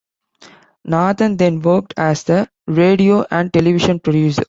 Nathan then worked as a radio and television producer.